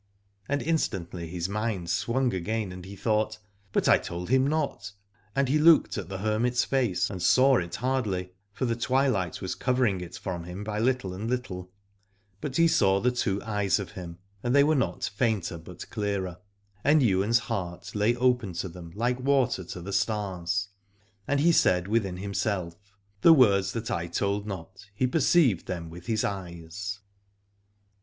And instantly his mind swung again and he thought. But I told him not. And he looked at the hermit's face and saw it hardly, for the twilight was covering it from him by little and little : but he saw the two eyes of him and they were not 30 Al adore fainter but clearer, and Ywain's heart lay open to them like water to the stars. And he said within himself, The words that I told not, he perceived them with his eyes.